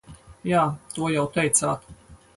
Jā, to jau teicāt.